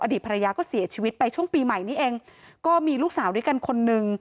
ภรรยาก็เสียชีวิตไปช่วงปีใหม่นี้เองก็มีลูกสาวด้วยกันคนนึง